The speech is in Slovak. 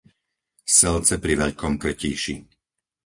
Selce pri Veľkom Krtíši